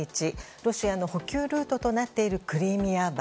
ロシアの補給ルートとなっているクリミア橋。